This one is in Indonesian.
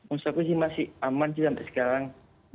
uang saku sih masih aman sih sampai sekarang